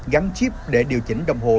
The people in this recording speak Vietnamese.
gắn chip để điều chỉnh đồng hồ